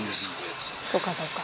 松本：そうか、そうか。